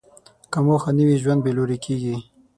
که موخه نه وي، ژوند بېلوري کېږي.